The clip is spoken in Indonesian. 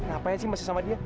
ngapain sih masih sama dia